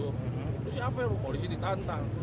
itu siapa ya polisi ditantang